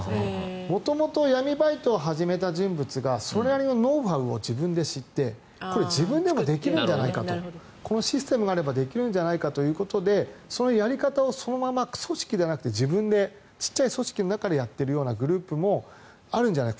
元々、闇バイトを始めた人物がそれなりのノウハウを自分で知ってこれは自分でもできるんじゃないかとこのシステムがあればできるんじゃないかということでそのやり方をそのまま組織でなくて自分で、小さい組織の中でやっているようなグループもあるんじゃないか。